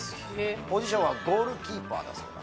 ポジションはゴールキーパーだそうだ。